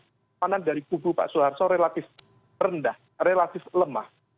kepanan dari kubu pak soeharto relatif rendah relatif lemah